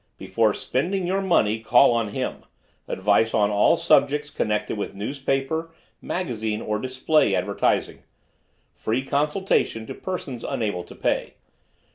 Before Spending Your Money Call on Him. Advice on all Subjects Connected with Newspaper, Magazine or Display Advertising. Free Consultation to Persons Unable to Pay.